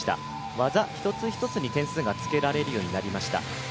技一つ一つに点数がつけられるようになりました。